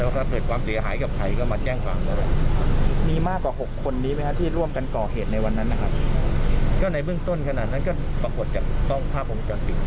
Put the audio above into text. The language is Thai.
ก็ในเบื้องต้นขนาดนั้นก็ปรากฏจากภาพองค์การศึก